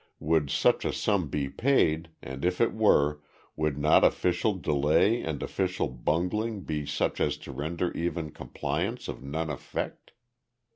Would such a sum be paid, and if it were, would not official delay and official bungling be such as to render even compliance of none effect?